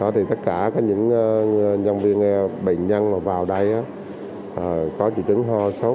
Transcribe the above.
tất cả những nhân viên bệnh nhân vào đây có trị trứng ho sốc